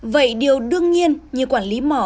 vậy điều đương nhiên như quản lý mỏ